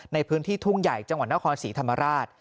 ในพื้นที่ทุ่งใหญ่จังหวัดนครศรีธรรมราช